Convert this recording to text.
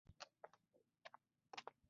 د ماشومتوب خوشحالي د ژوند تر پایه دوام کوي.